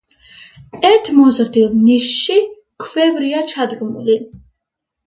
ერთ მოზრდილ ნიშში ქვევრია ჩადგმული.